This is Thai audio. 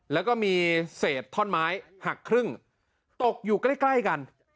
แล้วก็มีเศษท่อนไม้หักครึ่งตกอยู่ใกล้กัน